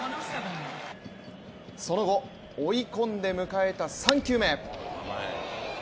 その後、追い込んで迎えた３球目。